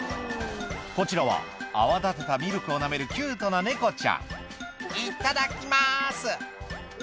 こちらは泡立てたミルクをなめるキュートな猫ちゃん「いただきます」